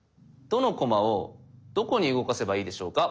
どの駒をどこに動かせばいいでしょうか？